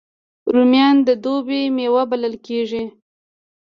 رومیان د دوبي میوه بلل کېږي